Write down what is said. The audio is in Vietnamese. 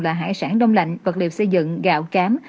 là hải sản đông lạnh vật liệu xây dựng gạo cám